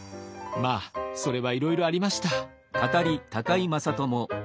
まあそれはいろいろありました。